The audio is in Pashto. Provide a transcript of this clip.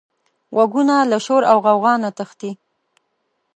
غوږونه له شور او غوغا نه تښتي